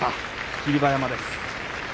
霧馬山です。